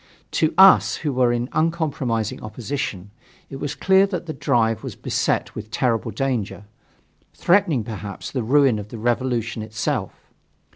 To us, who were in uncompromising opposition, it was clear that the drive was beset with terrible danger, threatening perhaps the ruin of the revolution itself.